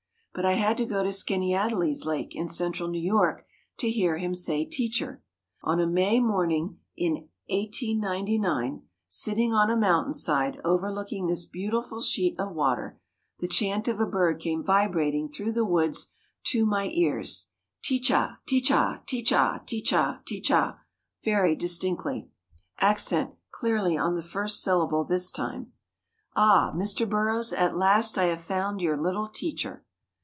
But I had to go to Skaneateles Lake in central New York to hear him say "teacher." On a May morning in in 1899, sitting on a mountain side overlooking this beautiful sheet of water, the chant of a bird came vibrating through the woods to my ears, teach ah, teach ah, teach ah, teach ah, teach ah very distinctly. Accent clearly on the first syllable this time. Ah! Mr. Burroughs, at last I have found your little "teacher."